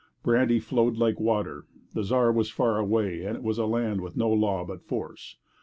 Brandy flowed like water, the Czar was far away, and it was a land with no law but force.